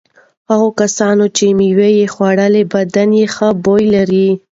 هغو کسانو چې مېوه خوړلي بدن یې ښه بوی لري.